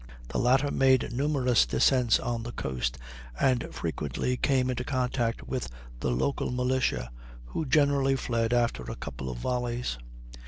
The latter made numerous descents on the coast, and frequently came into contact with the local militia, who generally fled after a couple of volleys.